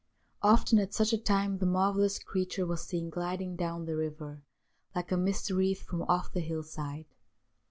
Often at such a time the mar vellous creature was seen gliding down the river like a mist wreath from off the hill side.